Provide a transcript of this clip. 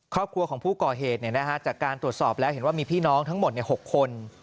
ครอบครัวของผู้ก่อเหตุจากการตรวจสอบแล้วเห็นว่ามีพี่น้องทั้งหมด๖คน